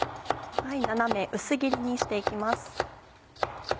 斜め薄切りにして行きます。